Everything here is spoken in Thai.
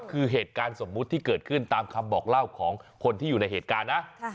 คือเหตุการณ์สมมุติที่เกิดขึ้นตามคำบอกเล่าของคนที่อยู่ในเหตุการณ์นะ